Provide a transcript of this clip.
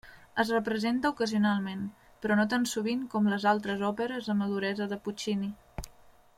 Es representa ocasionalment, però no tan sovint com les altres òperes de maduresa de Puccini.